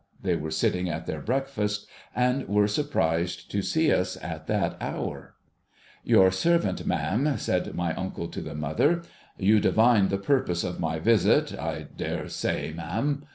They were sitting at their breakfast, and were surprised to see us at that hour. ' Your servant, ma'am,' said my uncle to the mother. ' You divine the purpose of my visit, I dare say, ma'am.